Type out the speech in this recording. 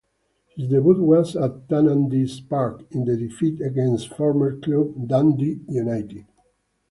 His debut was at Tannadice Park, in a defeat against former club Dundee United.